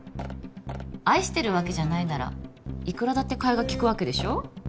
愛してるわけじゃないならいくらだってかえがきくわけでしょ？